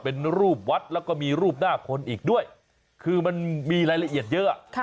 เป็นรูปวัดแล้วก็มีรูปหน้าคนอีกด้วยคือมันมีรายละเอียดเยอะ